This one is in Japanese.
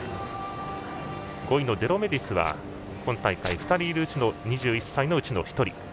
５位のデロメディスは今大会２人いる２１歳のうちの１人。